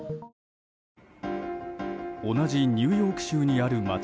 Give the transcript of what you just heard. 同じニューヨーク州にある街